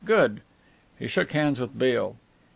Good!" He shook hands with Beale.